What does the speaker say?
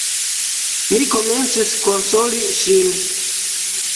Mi komencis konsoli ŝin.